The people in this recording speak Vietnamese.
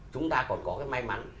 chúng ta còn có cái may mắn